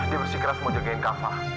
dia bersikeras mau jagain kak fadil